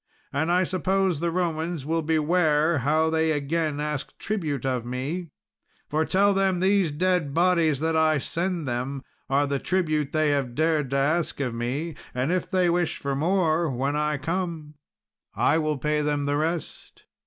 And I suppose the Romans will beware how they again ask tribute of me; for tell them, these dead bodies that I send them are for the tribute they have dared to ask of me; and if they wish for more, when I come I will pay them the rest."